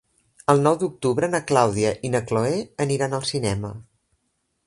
El nou d'octubre na Clàudia i na Cloè aniran al cinema.